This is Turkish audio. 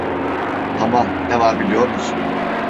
Tamam, ne var biliyor musun?